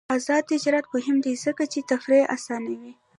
آزاد تجارت مهم دی ځکه چې تفریح اسانوي.